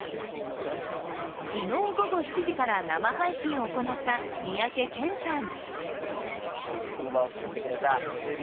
昨日午後７時から生配信を行った三宅健さん。